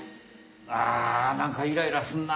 あなんかイライラすんな！